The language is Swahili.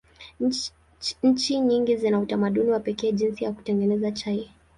Nchi nyingi zina utamaduni wa pekee jinsi ya kutengeneza chai.